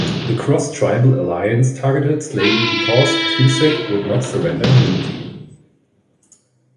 The cross-tribal alliance targeted Slaby because Cusack would not surrender immunity.